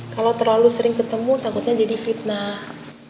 kalau terlalu sering ketemu takutnya jadi fitnah